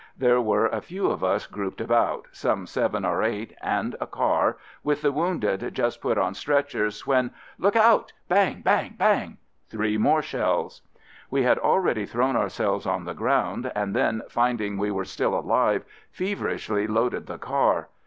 There were a few of us grouped about —■ some seven or eight — and a car — with the wounded just put on stretchers, when FIELD SERVICE 75 — "Lookout!" Bang! Bang! Bang! — three more shells. We had already thrown ourselves on the ground, and then, finding we were still alive, feverishly loaded the car.